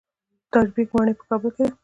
د تاج بیګ ماڼۍ په کابل کې ده